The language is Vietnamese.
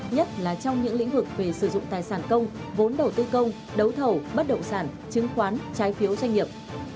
nhất là trong những lĩnh vực về sử dụng tài sản công vốn đầu tư công đấu thầu bất động sản chứng khoán trái phiếu doanh nghiệp